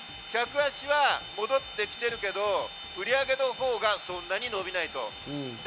客足は戻ってきてるけど、売り上げのほうがそんなに伸びないと。